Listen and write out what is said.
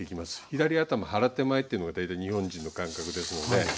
左頭腹手前というのが大体日本人の感覚ですので。